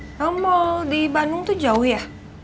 kalau mall di bandung tuh jauh ya